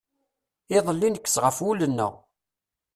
Iḍelli nekkes ɣef wul-nneɣ.